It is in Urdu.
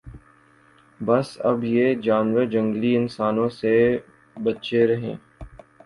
بس اب یہ جانور جنگلی انسانوں سے بچیں رھیں